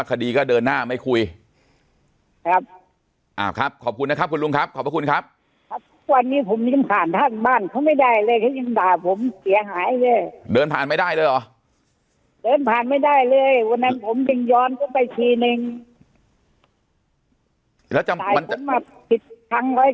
ผมก็เลยไปบอกทุกที่อะครับอืมเขาเลยมาพร้อมกันหมดเลย